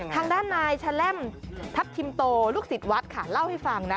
ทางด้านนายชะแลมทัพทิมโตลูกศิษย์วัดค่ะเล่าให้ฟังนะ